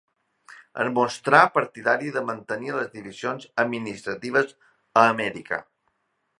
Es mostrà partidari de mantenir les divisions administratives a Amèrica.